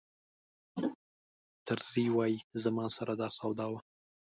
طرزي وایي زما سره دا سودا وه.